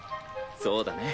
そうだね。